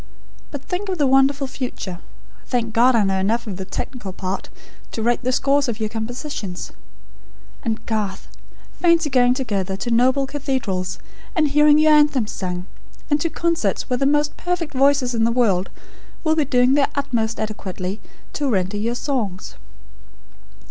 But think of the wonderful future. Thank God, I know enough of the technical part, to write the scores of your compositions. And, Garth, fancy going together to noble cathedrals, and hearing your anthems sung; and to concerts where the most perfect voices in the world will be doing their utmost adequately to render your songs.